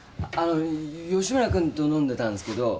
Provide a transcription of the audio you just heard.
あの吉村君と飲んでたんですけど。